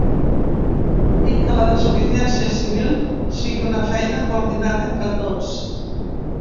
I que la desobediència civil sigui una feina coordinada entre tots.